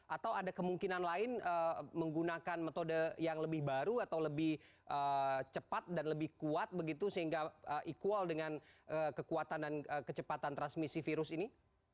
atau ada kemungkinan lain menggunakan metode yang lebih baru atau lebih cepat dan lebih kuat begitu sehingga equal dengan kekuatan dan kecepatan transmisi virus ini